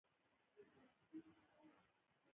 وينه يې نه وه ځبېښلې.